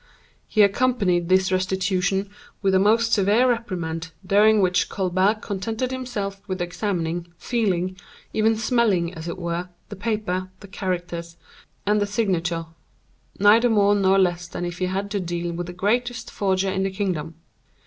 He accompanied this restitution with a most severe reprimand, during which Colbert contented himself with examining, feeling, even smelling, as it were, the paper, the characters, and the signature, neither more nor less than if he had to deal with the greatest forger in the kingdom.